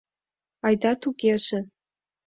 — Айда тугеже.